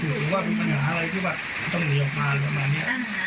หรือว่ามีปัญหาอะไรที่ว่าต้องหนีออกมาอะไรประมาณนี้